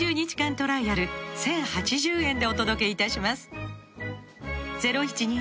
トライアル１，０８０円でお届けいたします